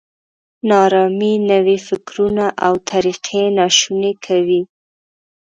نا ارامي نوي فکرونه او طریقې ناشوني کوي.